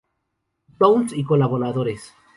Townes y colaboradores.